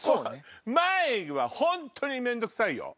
前は本当に面倒くさいよ。